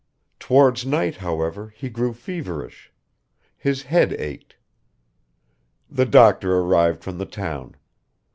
Towards night, however, he grew feverish; his head ached. The doctor arrived from the town.